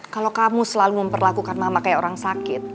kalau kamu selalu memperlakukan mama kayak orang sakit